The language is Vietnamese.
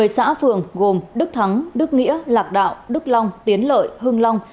một mươi xã phường gồm đức thắng đức nghĩa lạc đạo đức long tiến lợi hưng long